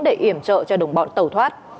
để iểm trợ cho đồng bọn tẩu thoát